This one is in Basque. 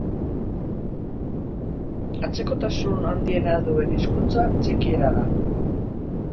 Antzekotasun handiena duen hizkuntza txekiera da.